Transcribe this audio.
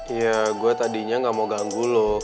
ya gue tadinya gak mau ganggu lo